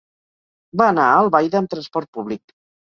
Va anar a Albaida amb transport públic.